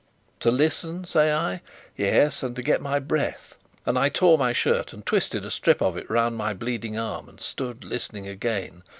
To listen, say I? Yes, and to get my breath: and I tore my shirt and twisted a strip of it round my bleeding arm; and stood listening again.